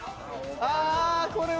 ああこれは！